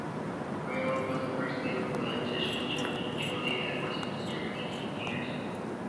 Hoyle was the first Labour politician to represent Chorley at Westminster in eighteen years.